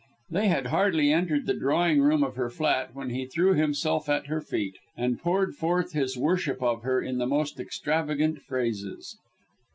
They had hardly entered the drawing room of her flat when he threw himself at her feet, and poured forth his worship of her in the most extravagant phrases.